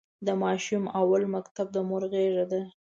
د ماشوم اول مکتب د مور غېږ ده.